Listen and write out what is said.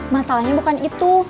masalahnya bukan itu